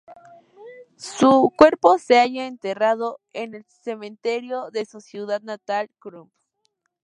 Su cuerpo se halla enterrado en el cementerio de su ciudad natal, Crump.